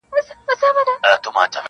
o د زرو په قدر زرگر پوهېږي-